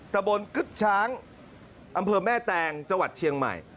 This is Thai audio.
ตะบนกึ๊ดช้างอำเภอแม่แตงจังหวัดเชียงใหม่